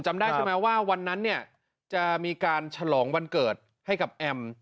จำได้ใช่ไหมว่าวันนั้นเนี่ยจะมีการฉลองวันเกิดให้กับแอม